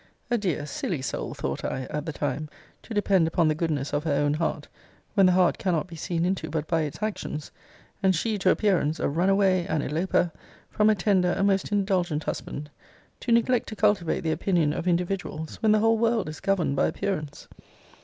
A dear, silly soul, thought I, at the time, to depend upon the goodness of her own heart, when the heart cannot be seen into but by its actions; and she, to appearance, a runaway, an eloper, from a tender, a most indulgent husband! To neglect to cultivate the opinion of individuals, when the whole world is governed by appearance!